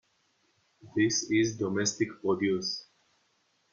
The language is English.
This is domestic produce.